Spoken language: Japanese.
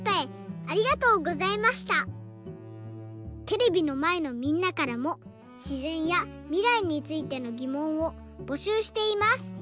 テレビのまえのみんなからもしぜんやみらいについてのぎもんをぼしゅうしています！